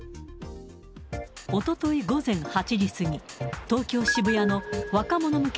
おととい午前８時過ぎ、東京・渋谷の若者向け